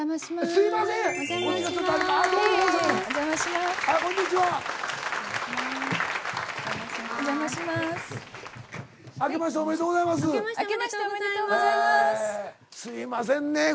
すいませんねぇ。